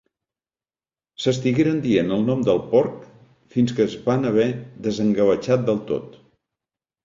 S'estigueren dient el nom del porc fins que es van haver desengavatxat del tot.